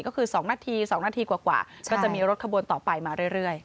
ก็คือ๒นาที๒นาทีกว่าก็จะมีรถขบวนต่อไปมาเรื่อย